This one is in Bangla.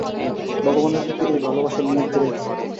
ভগবানের দিকে এই ভালবাসার মোড় ফিরাইতে হইবে।